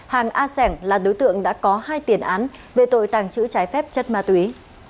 hàng a sảng là đối tượng đã có hai tiền án về tội tàng trữ trái phép chất ma túy